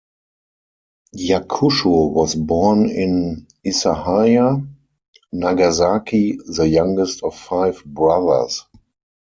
Yakusho was born in Isahaya, Nagasaki, the youngest of five brothers.